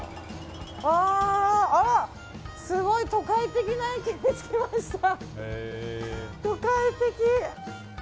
あら、すごい都会的な駅に着きました。